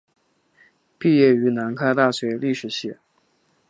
毕业于南开大学历史系。